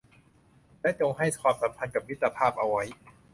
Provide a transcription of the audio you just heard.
และจงให้ความสำคัญกับมิตรภาพเอาไว้